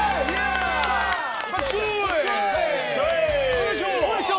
よいしょ！